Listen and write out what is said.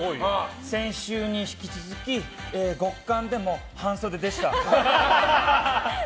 先週に引き続き、極寒でも半袖でした。